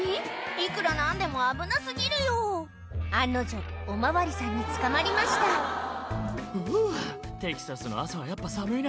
いくら何でも危な過ぎるよ案の定お巡りさんに捕まりました「うぅテキサスの朝はやっぱ寒いな」